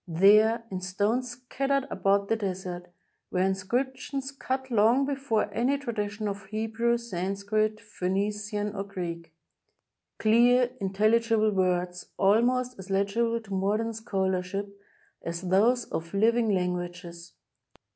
There, in stones scattered about the desert, were inscrip tions cut long before any tradition of Hebrew, Sanskrit, Phoenician, or Greek — clear, intelligible words, almost as legible to modern scholarship as those of living lan guages.